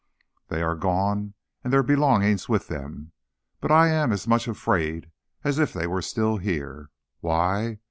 They are gone, and their belongings with them; but I am as much afraid as if they were still here. Why?